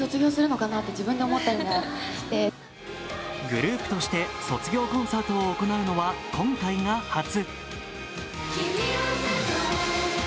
グループとして卒業コンサートを行うのは今回が初。